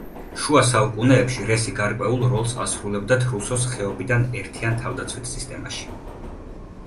შუა საუკუნეებში რესი გარკვეულ როლს ასრულებდა თრუსოს ხეობის ერთიან თავდაცვით სისტემაში.